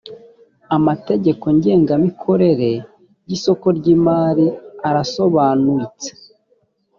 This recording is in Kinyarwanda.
amategeko ngengamikorere y’isoko ry’imari arasobanuitse